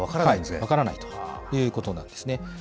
分からないということなんですね。